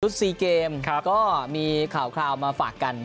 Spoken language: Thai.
ชุดซีเกมก็มีข่าวมาฝากกัน